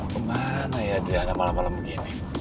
gimana ya adriana malam malam begini